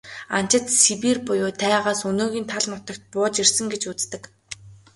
Анчид Сибирь буюу тайгаас өнөөгийн тал нутагт бууж ирсэн гэж үздэг.